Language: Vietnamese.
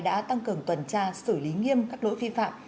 đã tăng cường tuần tra xử lý nghiêm các lỗi vi phạm